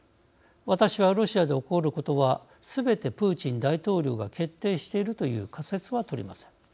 私はロシアで起こることはすべてプーチン大統領が決定しているという仮説は取りません。